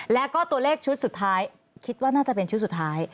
แล้วก็ตัวเลขชุดสุดท้ายคิดว่าน่าจะเป็นชุดสุดท้าย